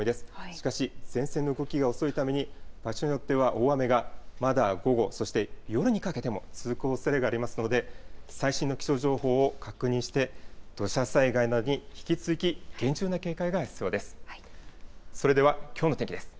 しかし、前線の動きが遅いために、場所によっては大雨がまだ午後、そして夜にかけても続くおそれがありますので、最新の気象情報を確認して、土砂災害などに引き続き厳重な警戒が必要です。